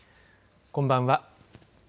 こんばんは。